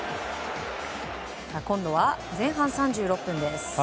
今度は前半３６分です。